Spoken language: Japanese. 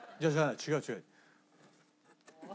違う違う。